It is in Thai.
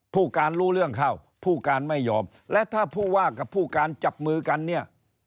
ผู้การรู้เรื่องเข้าผู้การไม่ยอมและถ้าผู้ว่ากับผู้การจับมือกันเนี่ย